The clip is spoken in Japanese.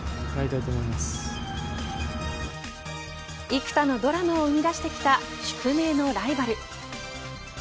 幾多のドラマを生み出してきた宿命のライバル。